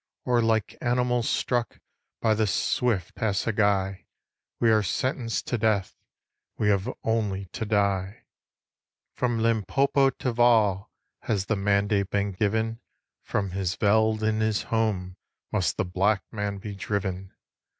Or like animals struck By the swift assegai, We are sentenced to death, We have only to die. From Limpopo to Vaal Has the mandate been given, "From his veld and his home Must the black man be driven."